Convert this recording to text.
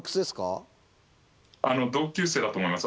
あの同級生だと思います。